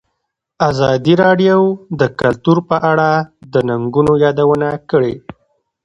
ازادي راډیو د کلتور په اړه د ننګونو یادونه کړې.